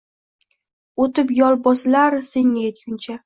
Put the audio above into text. oʼtib yoʼl bosilar senga yetguncha.